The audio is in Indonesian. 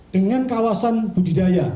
dengan kawasan budidaya